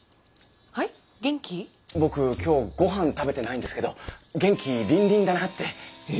僕今日ご飯食べてないんですけど元気りんりんだなって。え？